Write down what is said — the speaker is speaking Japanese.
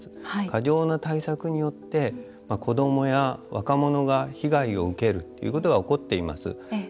過剰な対策によって子どもや若者が被害を受けるということが起こっています。